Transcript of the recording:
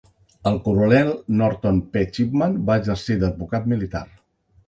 El coronel Norton P. Chipman va exercir d'advocat militar.